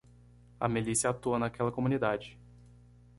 A milícia atua naquela comunidade.